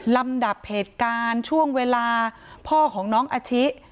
ลำดับเหตุการณ์ช่วงเวลาพ่อของน้องอาชิ